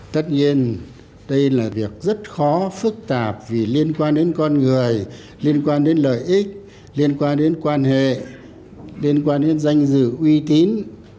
tất nhiên đây là việc rất khó phức tạp vì liên quan đến con người liên quan đến lợi ích liên quan đến quan hệ liên quan đến danh dự uy tín